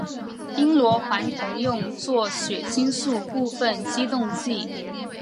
丁螺环酮用作血清素部分激动剂。